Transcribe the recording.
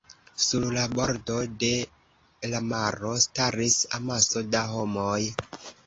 Sur la bordo de la maro staris amaso da homoj.